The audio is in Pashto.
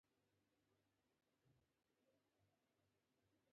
له اوږدمهاله بېثباتۍ سره مخ شي